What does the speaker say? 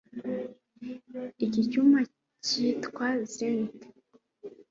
Iki cyuma cyitwa zinc